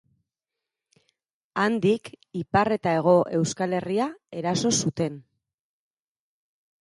Handik ipar eta hego Euskal Herria eraso zuten.